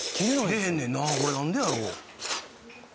切れへんねんなこれなんでやろ？